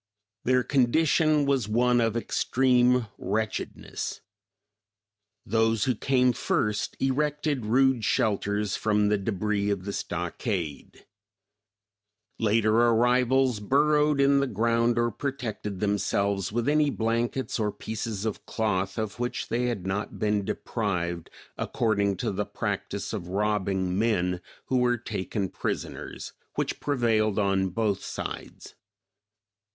Their condition was one of extreme wretchedness. Those who came first erected rude shelters from the debris of the stockade; later arrivals burrowed in the ground or protected themselves with any blankets or pieces of cloth of which they had not been deprived according to the practice of robbing men who were taken prisoners which prevailed on both sides.